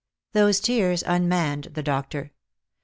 " Those tears unmanned the doctor.